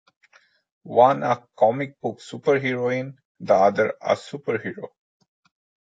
One a comic book superheroine, the other a superhero.